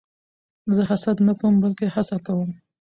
زه حسد نه کوم؛ بلکې هڅه کوم.